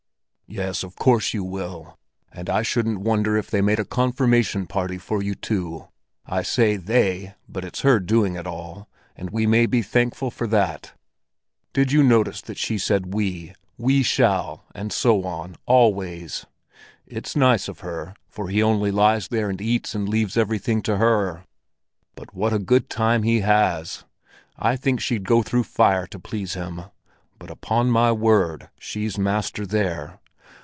"Yes, of course you will! And I shouldn't wonder if they made a confirmation party for you too. I say they, but it's her that's doing it all, and we may be thankful for that. Did you notice that she said we—we shall, and so on—always? It's nice of her, for he only lies there and eats and leaves everything to her. But what a good time he has! I think she'd go through fire to please him; but upon my word, she's master there.